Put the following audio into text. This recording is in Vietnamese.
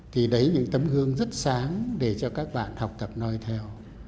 thì đấy là những tấm gương rất sáng để cho các bạn học tập nói theo